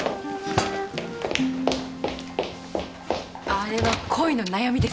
あれは恋の悩みですね。